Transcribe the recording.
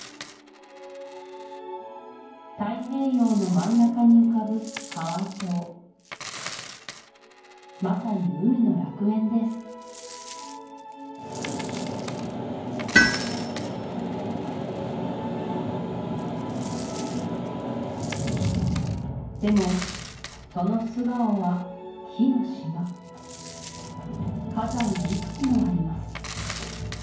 太平洋の真ん中に浮かぶハワイ島まさに海の楽園ですでもその素顔は火の島火山がいくつもあります